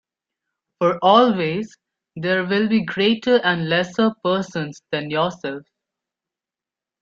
For always there will be greater and lesser persons than yourself.